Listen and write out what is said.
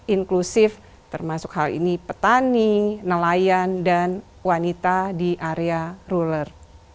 inklusif termasuk hal ini petani nelayan dan wanita di area ruler